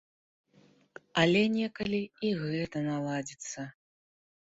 Але некалі і гэта наладзіцца.